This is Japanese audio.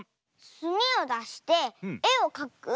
すみをだしてえをかく？